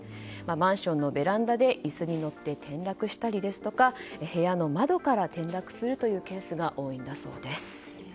マンションのベランダで椅子に乗って転落したり部屋の窓から転落するケースが多いんだそうです。